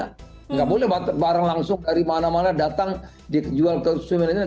tidak boleh barang langsung dari mana mana datang di jual konsumen ini